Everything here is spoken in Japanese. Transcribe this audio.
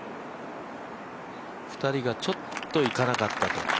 ２人がちょっといかなかったと。